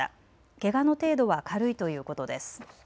けがの程度は軽いということです。